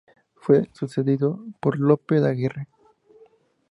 Fue sucedido por Lope de Aguirre.